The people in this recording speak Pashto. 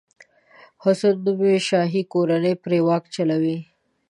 حسن نومي شاهي کورنۍ پرې واک چلوي.